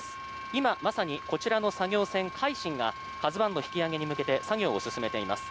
今まさにこちらの作業船「海神」が「ＫＡＺＵ１」の引き揚げに向けて作業を進めています。